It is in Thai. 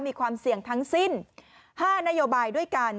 มีความเสี่ยงทั้งสิ้น๕นโยบายด้วยกัน